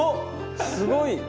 すごい。